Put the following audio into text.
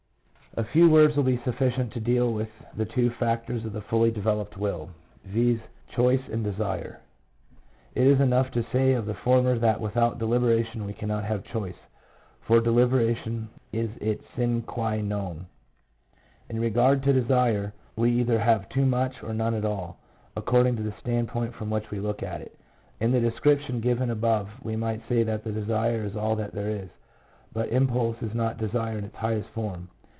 A few words will be sufficient to deal with two other factors of the fully developed will — viz., choice and desire. It is enough to say of the former that without deliberation we cannot have choice, for de liberation is its sine qua non. In regard to desire, we either have too much or none at all, according to the standpoint from which we look at it. In the descrip tion given above we might say that desire is all that there is, but impulse is not desire in its highest form.